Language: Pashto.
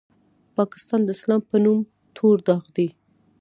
پاکستان د اسلام په نوم تور داغ دی.